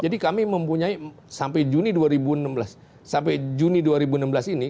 jadi kami mempunyai sampai juni dua ribu enam belas ini